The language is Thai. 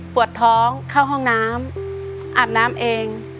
ปวดท้องเข้าห้องน้ำอาบน้ำเอง